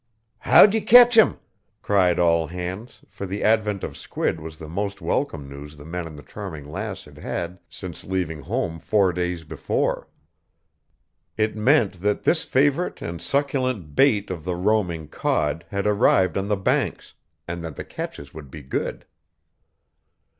"How'd ye ketch him?" cried all hands, for the advent of squid was the most welcome news the men on the Charming Lass had had since leaving home four days before. It meant that this favorite and succulent bait of the roaming cod had arrived on the Banks, and that the catches would be good.